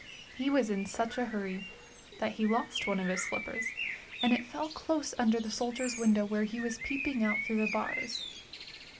He was in such a hurrv that he lost one of his slippers, and it fell close under soldier s window where he was peeping out through the bars.